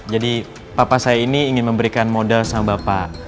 jadi papa saya ini ingin memberikan modal sama bapak